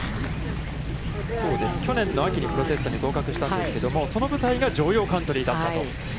去年の秋にプロテストに合格したんですけれども、その舞台が城陽カントリーだったと。